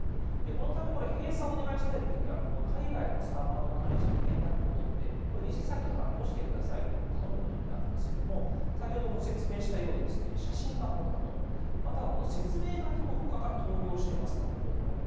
このため閉鎖をお願いしたいときには海外のサーバーの管理者に連絡を取って偽サイトだから閉じてくださいと頼むことになるんですけども先ほど説明したように写真が本物または説明書きもほかから盗用してますので本物。